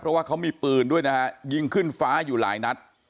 เพราะว่าเขามีปืนด้วยนะฮะยิงขึ้นฟ้าอยู่หลายนัด